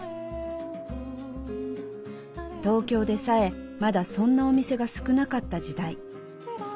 東京でさえまだそんなお店が少なかった時代。